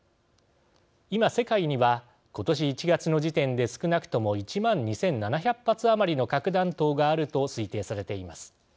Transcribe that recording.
今、世界には今年１月の時点で少なくとも１万２７００発余りの核弾頭があると推定されています。